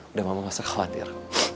udah mama gak usah khawatir